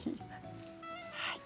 はい。